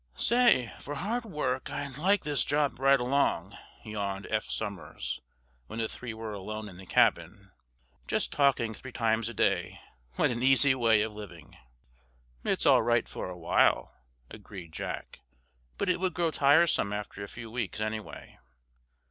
"Say, for hard work I'd like this job right along," yawned Eph Somers, when the three were alone in the cabin. "Just talking three times a day—what an easy way of living!" "It's all right for a while," agreed Jack. "But it would grow tiresome after a few weeks, anyway.